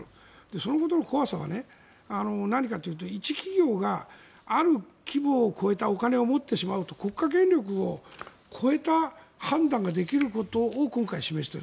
そのことの怖さは何かというと、一企業がある規模を超えたお金を持ってしまうと国家権力を超えた判断ができることを今回、示している。